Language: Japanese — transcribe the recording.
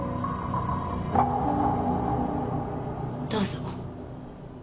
どうぞ。